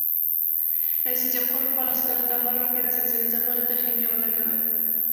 رئیس جمهور خپلو عسکرو ته امر وکړ؛ زلزله ځپلو ته خېمې ولګوئ!